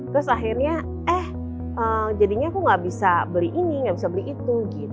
terus akhirnya eh jadinya aku nggak bisa beli ini nggak bisa beli itu